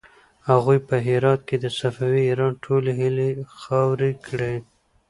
هغوی په هرات کې د صفوي ایران ټولې هيلې خاورې کړې.